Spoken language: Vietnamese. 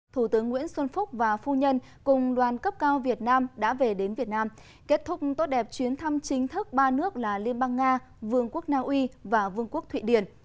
thủ tướng nguyễn xuân phúc và phu nhân cùng đoàn cấp cao việt nam đã về đến việt nam kết thúc tốt đẹp chuyến thăm chính thức ba nước là liên bang nga vương quốc naui và vương quốc thụy điển